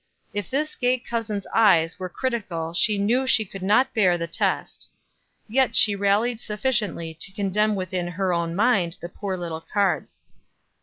If this gay cousin's eyes were critical she knew she could not bear the test. Yet she rallied sufficiently to condemn within her own mind the poor little cards.